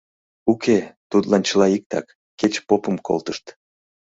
Уке, тудлан чыла иктак, кеч попым колтышт.